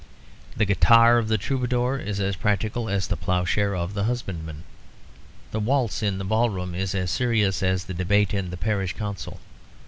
The guitar of the troubadour is as practical as the ploughshare of the husbandman. The waltz in the ballroom is as serious as the debate in the parish council.